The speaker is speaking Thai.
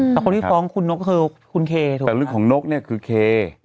แต่คนที่ฟ้องคุณนกคือคุณเคถูกแต่เรื่องของนกเนี่ยคือเค